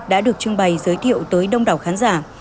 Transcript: đã được trưng bày giới thiệu tới đông đảo khán giả